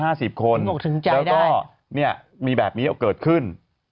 เราก็ถงถุงใจได้มีแบบนี้ก็เกิดขึ้น